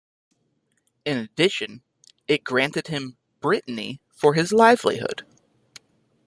In addition, it granted him Brittany "for his livelihood".